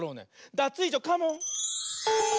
ダツイージョカモン！